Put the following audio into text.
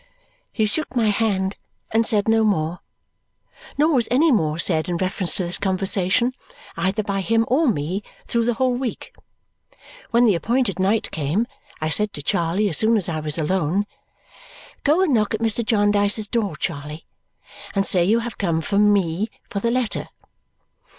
He shook my hand and said no more. Nor was any more said in reference to this conversation, either by him or me, through the whole week. When the appointed night came, I said to Charley as soon as I was alone, "Go and knock at Mr. Jarndyce's door, Charley, and say you have come from me 'for the letter.'"